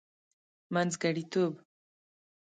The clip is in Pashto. منځګړتوب.